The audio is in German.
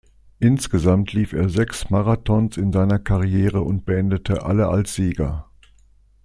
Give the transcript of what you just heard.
Insgesamt lief er sechs Marathons in seiner Karriere und beendete alle als Sieger.